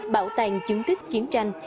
bảo tàng chứng tích chiến tranh